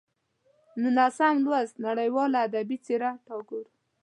نولسم لوست: نړیواله ادبي څېره ټاګور